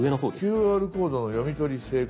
「ＱＲコードの読み取り成功」。